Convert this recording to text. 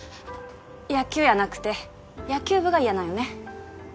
野球やなくて野球部が嫌なんよね？